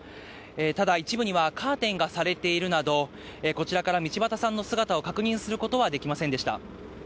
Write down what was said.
ただ、一部にはカーテンがされているなど、こちらから道端さんの姿を確認することはできませんでした。